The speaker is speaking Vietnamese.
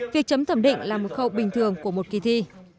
việc chấm thẩm định là một khâu bình thường của một kỳ thi